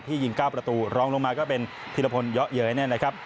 ที่ยิง๙ประตูร้องลงมาก็เป็นธิรพลเยอะเย้ยแน่น